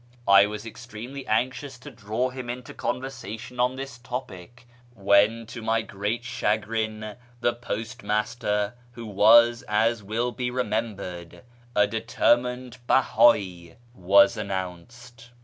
I was extremely anxious to draw him into conversation on this topic, when, to my great chagrin, the postmaster (who was, as will be remembered, a determined Behd'i) was announced.